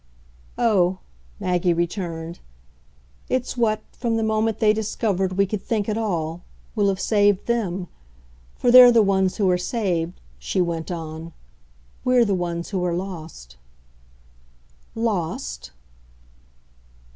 "Oh," Maggie returned, "it's what from the moment they discovered we could think at all will have saved THEM. For they're the ones who are saved," she went on. "We're the ones who are lost." "Lost